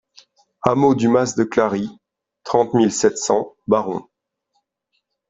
Hameau du Mas de Clary, trente mille sept cents Baron